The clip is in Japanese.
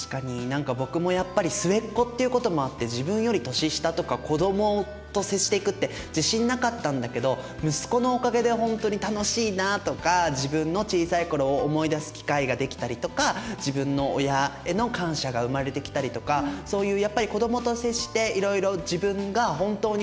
何か僕もやっぱり末っ子っていうこともあって自分より年下とか子どもと接していくって自信なかったんだけど息子のおかげでほんとに楽しいなとか自分の小さい頃を思い出す機会ができたりとか自分の親への感謝が生まれてきたりとかそういう